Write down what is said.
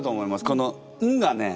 この「ン」がね